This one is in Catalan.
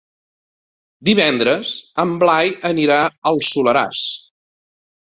Divendres en Blai anirà al Soleràs.